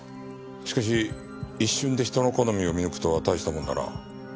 しかし一瞬で人の好みを見抜くとは大したもんだな。